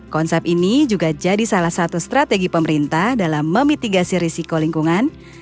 konsep ini juga jadi salah satu strategi pemerintah dalam memitigasi risiko lingkungan